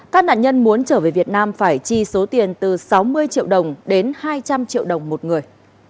các nạn nhân muốn trở về việt nam phải chi số tiền từ sáu mươi triệu đồng đến hai trăm linh triệu đồng một người